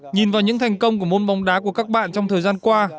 nhìn vào những thành công của môn bóng đá của các bạn trong thời gian qua